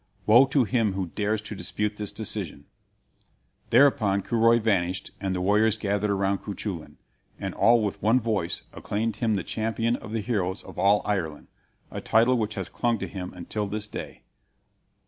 Woe to him who dares to dispute this decision!" Thereupon Curoi vanished, and the warriors gathered around Cuchulain, and all with one voice acclaimed him the Champion of the Heroes of all Ireland a title which has clung to him until this day.